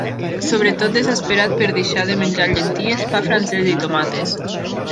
Sobretot desesperat per deixar de menjar llenties, pa francès i tomàquets.